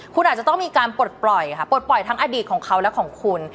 คุณอาจจะต้องมีการปลดปล่อยค่ะปลดปล่อยทั้งอดีตของเขาและของคุณ